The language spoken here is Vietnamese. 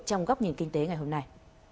trong góc nhìn kinh tế ngày hôm nay